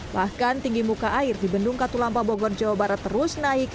bahkan tinggi muka air di bendung katulampa bogor jawa barat terus naik